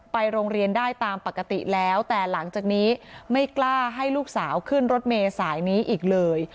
ไปโรงเรียนได้ตามปกติแล้วแต่หลังจากนี้ไม่กล้าให้ลูกสาวขึ้นรถเมษายนี้อีกเลย